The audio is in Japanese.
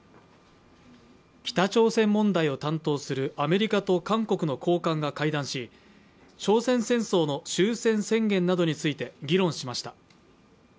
北朝鮮問題を担当するアメリカと韓国の高官が会談し朝鮮戦争の終戦宣言などについて議論しました。